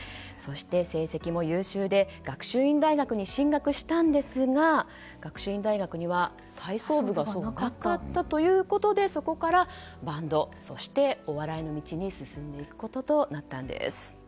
成績も優秀で学習院大学に進学したんですが学習院大学には体操部がなかったということでそこからバンドそしてお笑いの道に進んでいくこととなったんです。